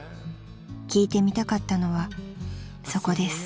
［聞いてみたかったのはそこです］